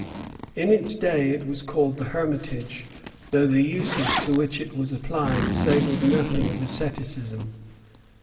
In its day it was called the Hermitage; though the uses to which it was applied savored nothing of asceticism.